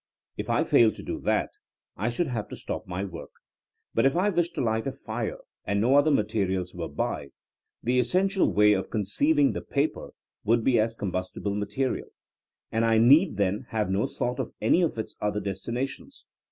If I failed to do that I should have to stop my work. But if I wished to light a fire and no other materials were by, the essential way of conceiving the paper would be as com bustible material; and I need then have no thought of any of its other destinations.